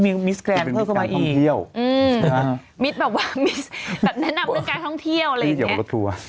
มีแบบว่าแบบแนะนำเรื่องการท่องเที่ยวอะไรอย่างนี้